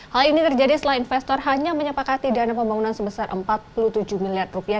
hal ini terjadi setelah investor hanya menyepakati dana pembangunan sebesar empat puluh tujuh miliar rupiah